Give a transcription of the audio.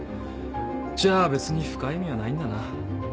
じゃあ別に深い意味はないんだな？